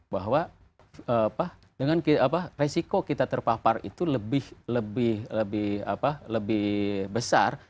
bahwa dengan resiko kita terpapar itu lebih besar